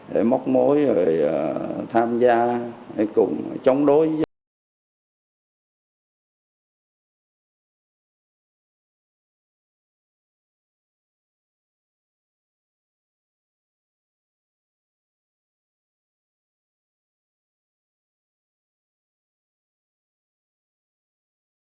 để móc mối rồi tham gia cùng chống đối với dân